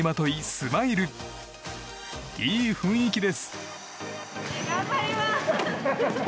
いい雰囲気です。